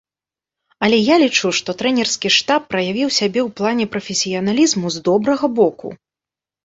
Але я лічу, што трэнерскі штаб праявіў сябе ў плане прафесіяналізму з добрага боку.